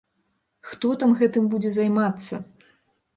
Хто там гэтым будзе займацца?!